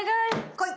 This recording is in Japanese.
来い！